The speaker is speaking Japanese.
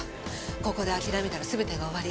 ここで諦めたら全てが終わり。